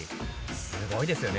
すごいですよね。